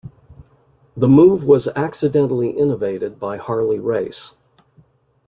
The move was accidentally innovated by Harley Race.